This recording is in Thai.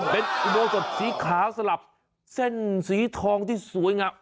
เป็นอุโบสถสีขาวสลับเส้นสีทองที่สวยงาม